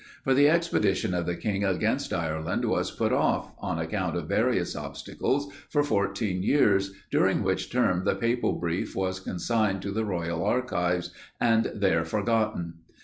For the expedition of the king against Ireland, was put off, on account of various obstacles, for fourteen years, during which term, the papal brief was consigned to the royal archives, and there forgotten.